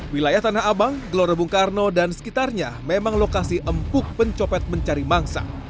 wilayah tanah abang gelora bung karno dan sekitarnya memang lokasi empuk pencopet mencari mangsa